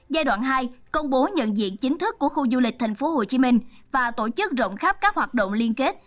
giai đoạn hai công bố nhận diện chính thức của khu du lịch tp hcm và tổ chức rộng khắp các hoạt động liên kết